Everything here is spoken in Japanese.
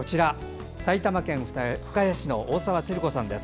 埼玉県深谷市の大澤つる子さん。